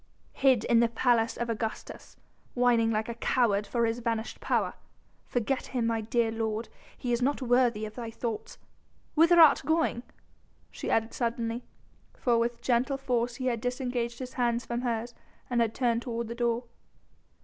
"Hid in the Palace of Augustus, whining like a coward for his vanished power.... Forget him, my dear lord ... he is not worthy of thy thoughts.... Whither art going?" she added suddenly, for with gentle force he had disengaged his hands from hers and had turned toward the door.